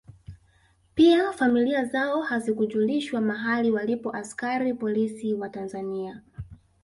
Pia familia zao hazikujulishwa mahali walipo askari polisi wa Tanzania